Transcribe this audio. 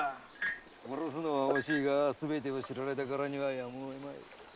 殺すのは惜しいがすべてを知られたからにはやむを得まい。